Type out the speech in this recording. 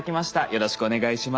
よろしくお願いします。